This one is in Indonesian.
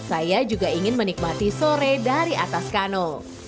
saya juga ingin menikmati sore dari atas kano